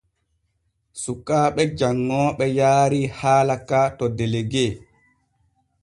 Sukaaɓe janŋooɓe yaarii haala ka to delegue.